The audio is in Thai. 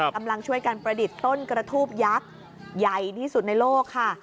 กำลังช่วยกันประดิษฐ์ต้นกระทูบยักษ์ใหญ่ที่สุดในโลกค่ะ